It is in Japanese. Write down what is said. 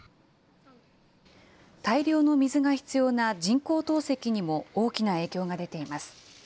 大量の水が必要な人工透析にも大きな影響が出ています。